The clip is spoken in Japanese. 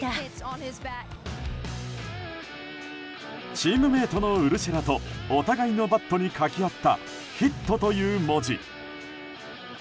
チームメートのウルシェラとお互いのバットに書き合った「ヒット」という文字。